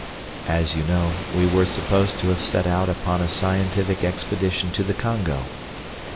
As you know, we were supposed to have set out upon a scientific expedition to the Congo.